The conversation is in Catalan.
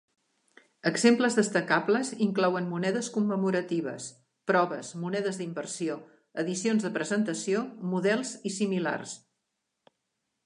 Exemples destacables inclouen monedes commemoratives, proves, monedes d'inversió, edicions de presentació, models i similars.